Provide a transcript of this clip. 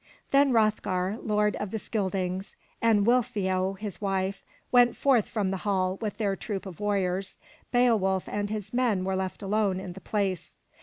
Then Hroth'gar, lord of the Scyldings, and Weal'theow, his wife, went forth from the hall with their troop of warriors. Beowulf and his men were left alone in the place.